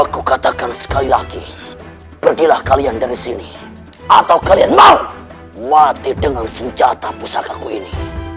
aku katakan sekali lagi pergilah kalian dari sini atau kalian nol mati dengan senjata pusakaku ini